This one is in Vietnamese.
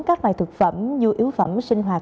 các loại thực phẩm du yếu phẩm sinh hoạt